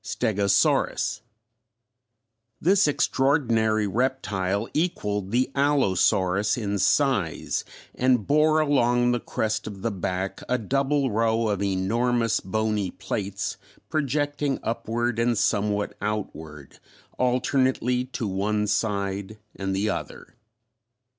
STEGOSAURUS. This extraordinary reptile equalled the Allosaurus in size, and bore along the crest of the back a double row of enormous bony plates projecting upward and somewhat outward alternately to one side and the other.